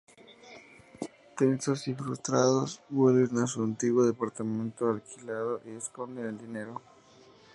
Tensos y frustrados vuelven a su antiguo departamento alquilado y esconden el dinero.